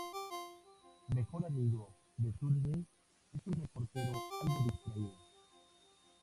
Mejor amigo de Sun Mi, es un reportero algo distraído.